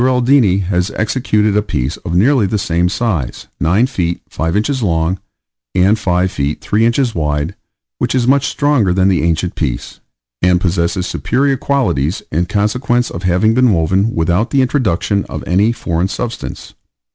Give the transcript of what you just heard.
Aldini has executed a piece of nearly the same size, 9 feet 5 inches long, and 5 feet 3 inches wide, which is much stronger than the ancient piece, and possesses superior qualities, in consequence of having been woven without the introduction of any foreign substance.